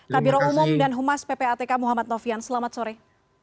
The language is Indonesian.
kabiro umum dan humas ppatk muhammad nofian selamat sore